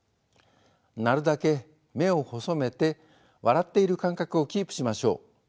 なるだけ目を細めて笑っている感覚をキープしましょう。